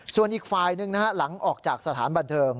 ส่วนอีกฝ่ายหนึ่งนะฮะหลังออกจากสถานบันเทิง